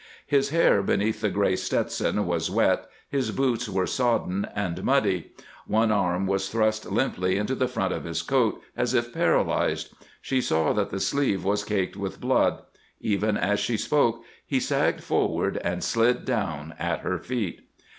His hair beneath the gray Stetson was wet, his boots were sodden and muddy, one arm was thrust limply into the front of his coat as if paralyzed. She saw that the sleeve was caked with blood. Even as she spoke he sagged forward and slid down at her feet.